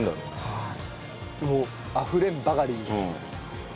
はい。